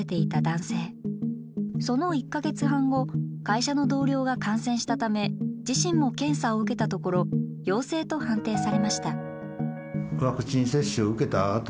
その１か月半後会社の同僚が感染したため自身も検査を受けたところ陽性と判定されました。